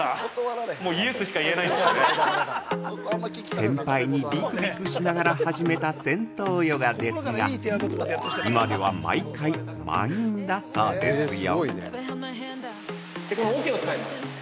◆先輩にビクビクしながら始めた銭湯ヨガですが今では毎回、満員だそうですよ。